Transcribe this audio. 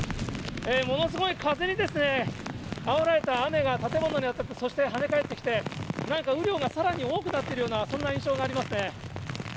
ものすごい風にあおられた雨が建物に当たって、そして跳ね返ってきて、なんか雨量がさらに多くなっているような、そんな印象がありますね。